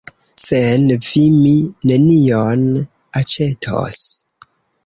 Sen vi mi nenion aĉetos.